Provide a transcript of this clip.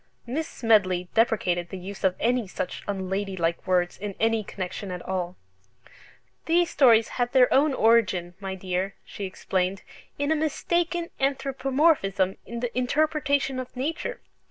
Miss Smedley deprecated the use of any such unladylike words in any connection at all. "These stories had their origin, my dear," she explained, "in a mistaken anthropomorphism in the interpretation of nature.